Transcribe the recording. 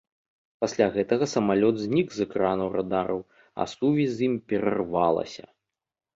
Пасля гэтага самалёт знік з экранаў радараў, а сувязь з ім перарвалася.